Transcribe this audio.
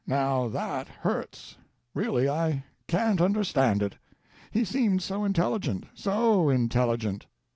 Now that hurts. Really, I can't understand it. He seemed so intelligent, so intelligent.